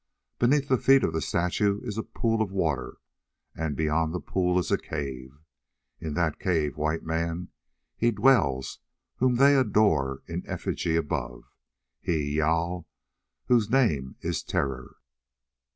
Beneath the feet of the statue is a pool of water, and beyond the pool is a cave. In that cave, White Man, he dwells whom they adore in effigy above, he, Jâl, whose name is Terror."